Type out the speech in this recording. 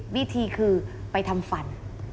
วิธีคือไปทำฟัน